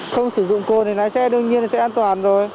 không sử dụng cồn thì lái xe đương nhiên là sẽ an toàn rồi